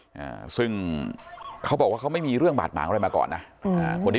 อ่าซึ่งเขาบอกว่าเขาไม่มีเรื่องบาดหมางอะไรมาก่อนนะอืมอ่าคนที่